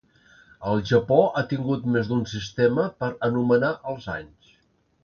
El Japó ha tingut més d'un sistema per anomenar els anys.